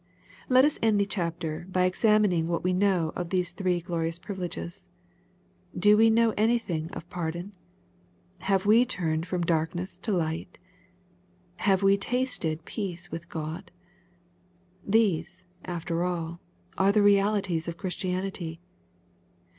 Let us end the chapter by examining what we know of these three glorious privileges. Do we know anything of pardon ? Have we turned from darkness to light ? Have we tasted peace with God ? These, after all, are the realities of Christianity.